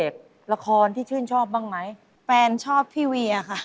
เขาบอกว่าเขาน่าเหมือนเวีย